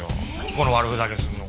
この悪ふざけするの。